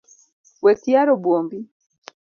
Wekyaro buombi